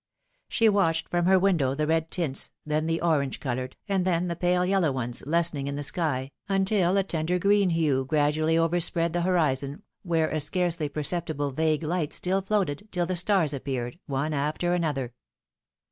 She watched from her window the red tints, then the orange colored, and then the pale yellow ones lessening in the sky, until a tender green hue gradually overspread the horizon, where a scarcely perceptible vague light still floated, till the stars appeared, one after another.